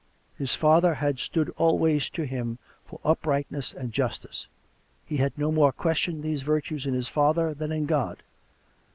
His father had stood always to him for uprightness and justice; he had no more ques tioned these virtues in his father than in God.